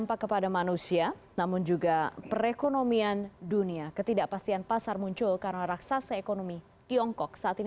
pemerintah juga menghentikan promosi wisata